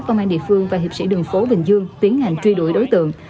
công an địa phương và hiệp sĩ đường phố bình dương tiến hành truy đuổi đối tượng